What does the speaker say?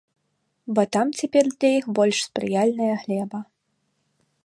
Бо там цяпер для іх больш спрыяльная глеба.